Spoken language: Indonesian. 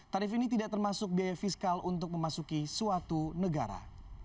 tarif ini tidak termasuk biaya fiskal untuk memasuki suatu negara